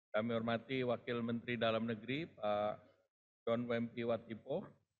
kami hormati wakil menteri dalam negeri pak john wemki watipo